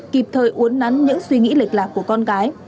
kịp thời uốn nắn những suy nghĩ lệch lạc của con gái